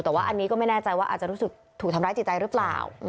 แต่ว่าอันนี้ก็ไม่แน่ใจว่าอาจจะรู้สึกถูกทำร้ายจิตใจหรือเปล่า